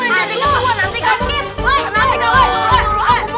basically itu menurut aku